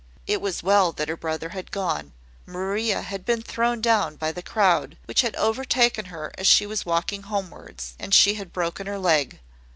It was well that her brother had gone. Maria had been thrown down by the crowd, which had overtaken her as she was walking homewards, and she had broken her leg.